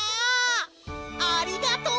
ありがとう！